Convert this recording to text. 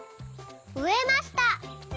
「うえました」。